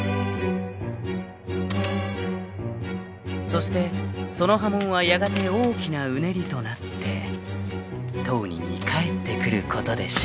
［そしてその波紋はやがて大きなうねりとなって当人に返ってくることでしょう］